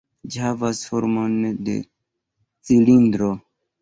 Ĝi havas formon de cilindro.